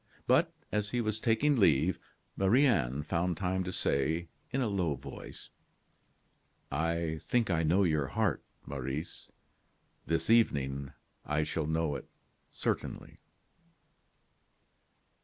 But as he was taking leave, Marie Anne found time to say, in a low voice: "I think I know your heart, Maurice; this evening I shall know it certainly."